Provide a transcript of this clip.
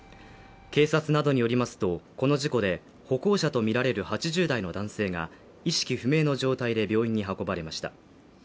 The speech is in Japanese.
警察などによりますと、この事故で、歩行者とみられる８０代の男性が意識不明の状態で病院に運ばれました。